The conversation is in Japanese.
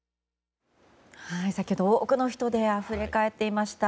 先ほど多くの人であふれ返っていました。